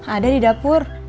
ada di dapur